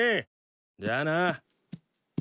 じゃあな。